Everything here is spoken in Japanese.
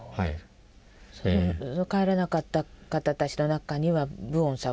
帰れなかった方たちの中にはプオンさんも？